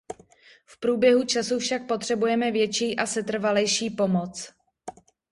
V průběhu času však potřebujeme větší a setrvalejší pomoc.